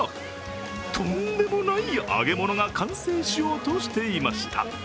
とんでもない揚げ物が完成しようとしていました。